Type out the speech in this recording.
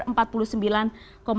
dan ini di bidang ekonomi